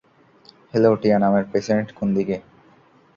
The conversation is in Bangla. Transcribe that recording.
হ্যাঁলো, টিয়া নামের পেসেন্ট কোনদিকে?